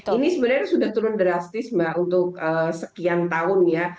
ini sebenarnya sudah turun drastis mbak untuk sekian tahun ya